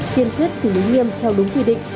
tiên tuyết xử lý nghiêm theo đúng quy định